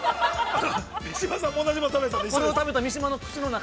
三島さんも同じものを食べたんで、◆一緒です。